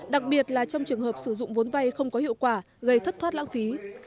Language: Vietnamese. đặc biệt là trong trường hợp sử dụng vốn vay không có hiệu quả gây thất thoát lãng phí